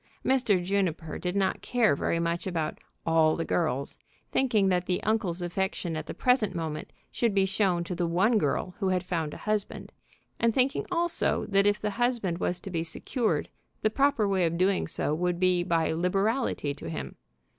Mr. Juniper did not care very much about "all the girls," thinking that the uncle's affection at the present moment should be shown to the one girl who had found a husband, and thinking also that if the husband was to be secured, the proper way of doing so would be by liberality to him.